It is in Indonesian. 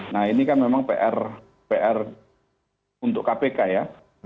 nah ini kan memang pr untuk kpk ya